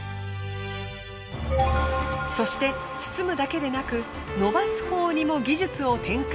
そして包むだけでなく伸ばすほうにも技術を展開。